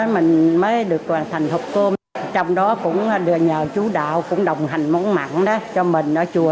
mình mới được hoàn thành hộp cơm trong đó cũng được nhờ chú đạo cũng đồng hành món mặn cho mình ở chùa